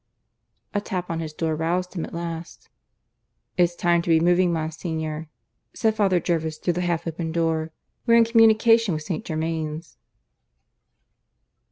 A tap on his door roused him at last. "It's time to be moving, Monsignor," said Father Jervis through the half open door. "We're in communication with St. Germains."